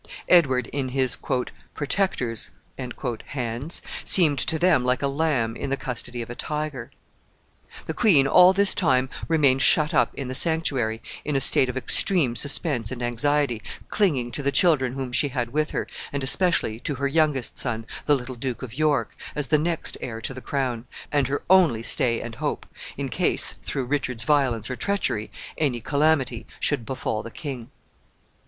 Edward, in his "protector's" hands, seemed to them like a lamb in the custody of a tiger. The queen, all this time, remained shut up in the sanctuary, in a state of extreme suspense and anxiety, clinging to the children whom she had with her, and especially to her youngest son, the little Duke of York, as the next heir to the crown, and her only stay and hope, in case, through Richard's violence or treachery, any calamity should befall the king.